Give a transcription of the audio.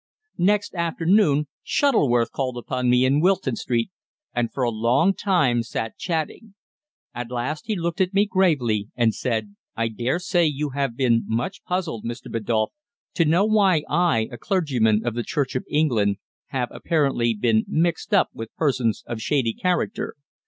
Next afternoon Shuttleworth called upon me in Wilton Street, and for a long time sat chatting. At last he looked at me gravely, and said "I dare say you have been much puzzled, Mr. Biddulph, to know why I, a clergyman of the Church of England, have apparently been mixed up with persons of shady character.